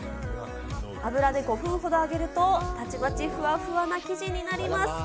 油で５分ほど揚げると、たちまちふわふわな生地になります。